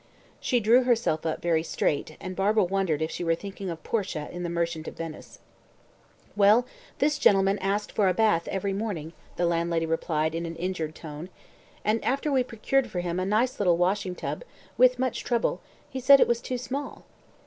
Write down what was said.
She drew herself up very straight, and Barbara wondered if she were thinking of Portia in the Merchant of Venice. "Well, this gentleman asked for a 'bath every morning,'" the landlady replied in an injured tone, "and after we procured for him a nice little washing tub, with much trouble, he said it was too small."